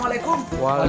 ya ampun abang di mana